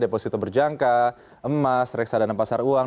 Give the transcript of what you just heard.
deposito berjangka emas reksadana pasar uang